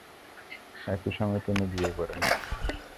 একই সময়ে তিনি বিয়ে করেন।